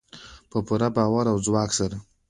په پوره باور او ځواک سره.